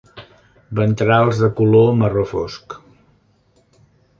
Ventrals de color marró fosc.